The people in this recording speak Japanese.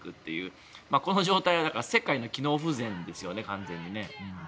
だから、この状態は世界の機能不全ですよね、完全に。